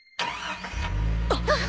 あっ！